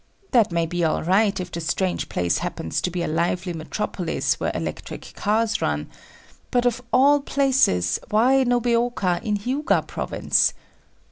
That may be all right if the strange place happens to be a lively metropolis where electric cars run,—but of all places, why Nobeoka in Hiuga province?